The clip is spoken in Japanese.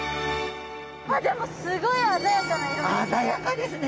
あっでもすごい鮮やかな色ですね！